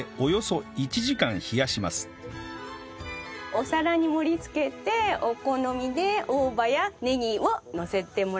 お皿に盛り付けてお好みで大葉やネギをのせてもらえますか？